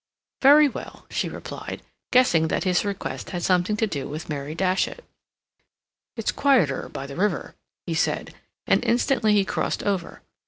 "Very well," she replied, guessing that his request had something to do with Mary Datchet. "It's quieter by the river," he said, and instantly he crossed over.